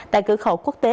tại cửa khẩu quốc tế